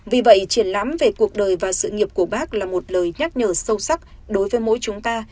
vì vậy triển lãm về cuộc đời và sự nghiệp của bác là một lời nhắc nhở sâu sắc đối với mỗi chúng ta